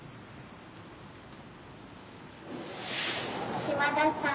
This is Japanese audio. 島田さん。